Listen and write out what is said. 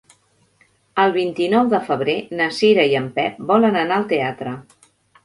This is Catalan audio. El vint-i-nou de febrer na Cira i en Pep volen anar al teatre.